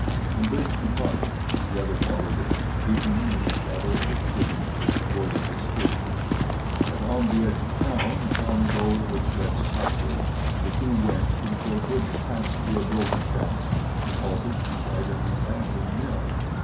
When Bridge departed the other followed him, keeping in the shadow of the trees which bordered the street. Around the edge of town and down a road which led southward the two went until Bridge passed through a broken fence and halted beside an abandoned mill.